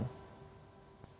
ya saya sedih